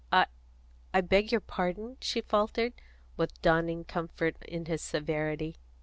"I I beg your pardon," she faltered, with dawning comfort in his severity.